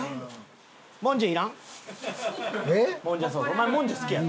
お前もんじゃ好きやろ？